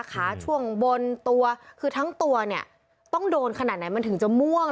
ช่วงบนตัวคือทั้งตัวเนี่ยต้องโดนขนาดไหนมันถึงจะม่วง